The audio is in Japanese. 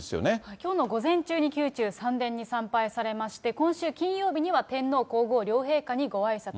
きょうの午前中に宮中三殿に参拝されまして、今週金曜日には天皇皇后両陛下にごあいさつ。